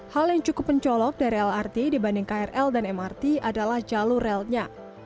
hal yang cukup mencolok dari lrt dibanding krl dan mrt adalah jalur relnya